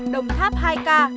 đồng tháp hai ca